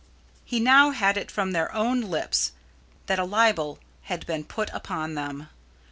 He now had it from their own lips that a libel had been put upon them.